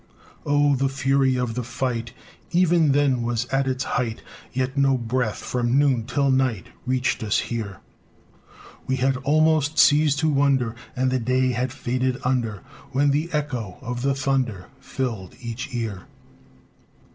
Oh, the fury of the fight Even then was at its height! Yet no breath, from noon till night, Reached us here; We had almost ceased to wonder, And the day had faded under, When the echo of the thunder Filled each ear!